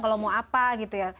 kalau mau apa gitu ya